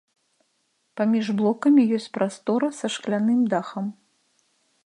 Паміж блокамі ёсць прастора са шкляным дахам.